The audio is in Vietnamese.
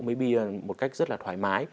mới bị một cách rất là thoải mái